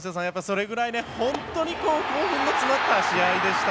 それぐらい、本当に興奮の詰まった試合でした。